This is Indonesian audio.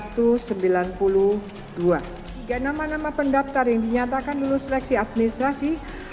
tiga nama nama pendaftar yang dinyatakan lulus seleksi administrasi